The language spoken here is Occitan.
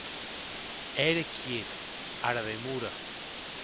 Ère quiet, ara demora.